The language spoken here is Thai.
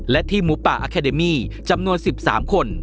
และทีมหมูป่าอาคาเดมี่จำนวน๑๓คน